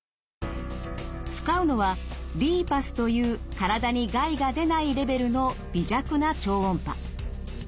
使うのはＬＩＰＵＳという体に害が出ないレベルの微弱な超音波。